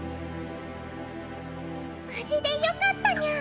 無事でよかったニャン。